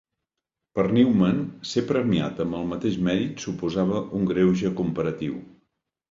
Per Newman, ser premiat amb el mateix mèrit suposava un greuge comparatiu.